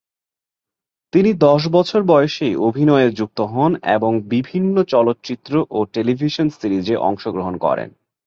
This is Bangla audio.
তিনি দশ বছর বয়সেই অভিনয়ে যুক্ত হন এবং বিভিন্ন চলচ্চিত্র এবং টেলিভিশন সিরিজে অংশগ্রহণ করেন।